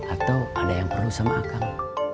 atau ada yang perlu sama akang